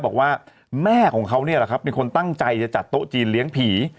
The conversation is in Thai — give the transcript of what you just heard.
บอกว่าแม่ของเขาเป็นคนตั้งใจจะจัดโต๊ะจีนเลี้ยงผี